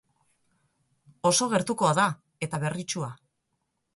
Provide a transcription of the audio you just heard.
Oso gertukoa da, eta berritsua.